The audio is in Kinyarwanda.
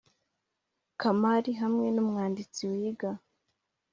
kamari, hamwe n'umwanditsi wiga,